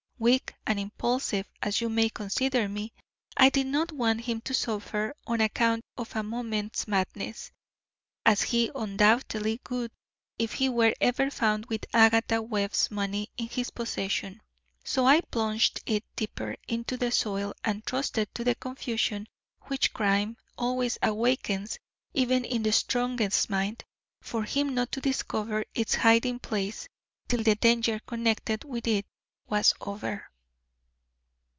Weak and impulsive as you may consider me, I did not want him to suffer on account of a moment's madness, as he undoubtedly would if he were ever found with Agatha Webb's money in his possession, so I plunged it deeper into the soil and trusted to the confusion which crime always awakens even in the strongest mind, for him not to discover its hiding place till the danger connected with it was over."